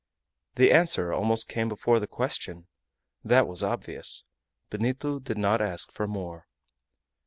The answer almost came before the question; that was obvious. Benito did not ask for more.